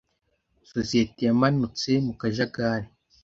Sosiyete yamanutse mu kajagari.